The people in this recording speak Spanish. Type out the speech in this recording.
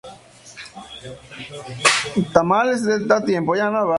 El subterráneo albergaba una cantina para los empleados.